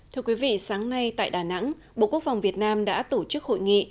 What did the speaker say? thưa quý vị sáng nay tại đà nẵng bộ quốc phòng việt nam đã tổ chức hội nghị